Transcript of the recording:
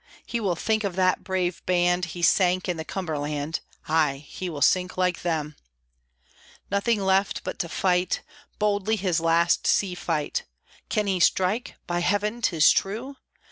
He will think of that brave band He sank in the Cumberland; Ay, he will sink like them. Nothing left but to fight Boldly his last sea fight! Can he strike? By Heaven, 'tis true!